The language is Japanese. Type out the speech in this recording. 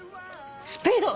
スピード。